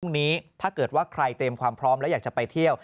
ถ้าเกิดว่าใครเตรียมความพร้อมแล้วอยากจะไปเที่ยว